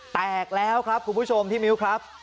แตกแล้วครับคุณผู้ชมพี่มิ้วครับ